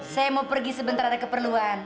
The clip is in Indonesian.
saya mau pergi sebentar ada keperluan